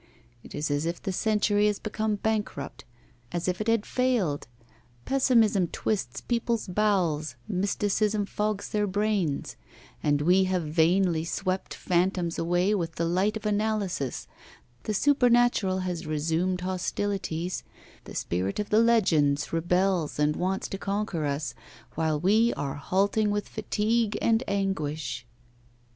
It is as if the century had become bankrupt, as if it had failed; pessimism twists people's bowels, mysticism fogs their brains; for we have vainly swept phantoms away with the light of analysis, the supernatural has resumed hostilities, the spirit of the legends rebels and wants to conquer us, while we are halting with fatigue and anguish.